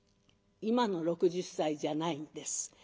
今の６０歳じゃないんです。